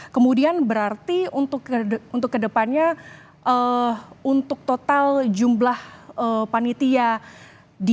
kemudian berarti untuk kedepannya untuk total jumlah panitia di